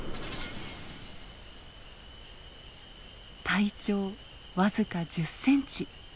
体長僅か１０センチ。